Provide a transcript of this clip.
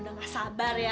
udah nggak sabar ya